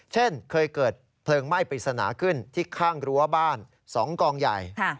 เช่นเคยเกิดเพลิงไหม้ปริศนาขึ้นที่ข้างรั้วบ้าน๒กองใหญ่